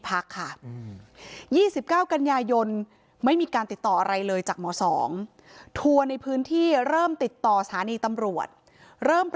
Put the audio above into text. พักค่ะ๒๙กันยายนไม่มีการติดต่ออะไรเลยจากหมอ๒ทัวร์ใน